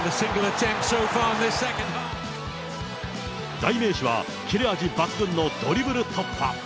代名詞は、切れ味抜群のドリブル突破。